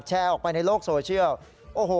แชร์ออกไปในโลกโซเซียล